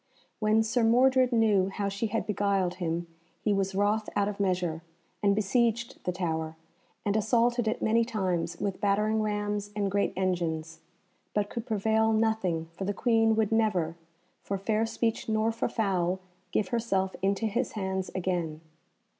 When Sir Mordred knew how she had beguiled him he was wroth out of measure, and besieged the Tower, and assaulted it many times with battering rams and great engines, but could prevail nothing, for the Queen would never, for fair speech nor for foul, give herself into his hands again.